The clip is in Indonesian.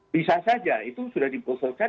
bisa saja itu sudah diposelkan